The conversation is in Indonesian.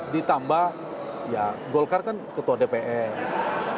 ditambah ya golkar kan ketua dpr